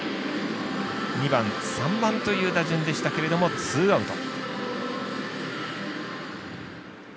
２番、３番という打順でしたけどもツーアウト。